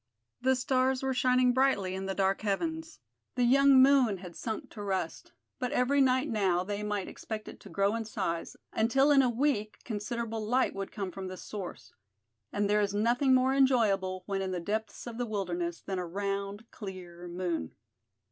The stars were shining brightly in the dark heavens. The young moon had sunk to rest; but every night now they might expect it to grow in size, until in a week considerable light would come from this source. And there is nothing more enjoyable when in the depths of the wilderness, than a round, clear moon.